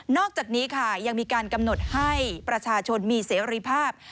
อกจากนี้ค่ะยังมีการกำหนดให้ประชาชนมีเสรีภาพ